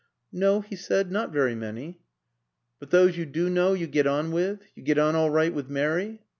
"No," he said, "not very many." "But those you do know you get on with? You get on all right with Mary?"